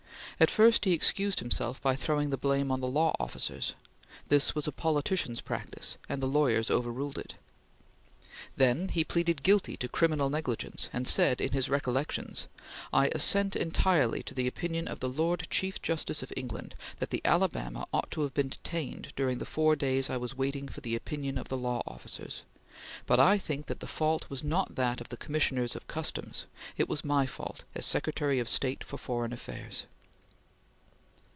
At first he excused himself by throwing the blame on the law officers. This was a politician's practice, and the lawyers overruled it. Then he pleaded guilty to criminal negligence, and said in his "Recollections": "I assent entirely to the opinion of the Lord Chief Justice of England that the Alabama ought to have been detained during the four days I was waiting for the opinion of the law officers. But I think that the fault was not that of the commissioners of customs, it was my fault as Secretary of State for Foreign Affairs."